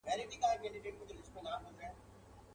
بيزو وان هم يو ځاى كښينستى حيران وو.